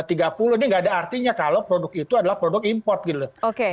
ini nggak ada artinya kalau produk itu adalah produk import gitu